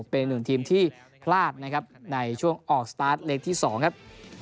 เป็นหนึ่งทีมที่พลาดนะครับในช่วงออกสตาร์ทเลขที่๒ครับ